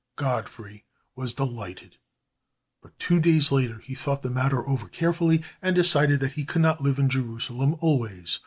Godfrey was delighted, but two days later he thought the matter over carefully and decided that he could not live in Jerusalem always.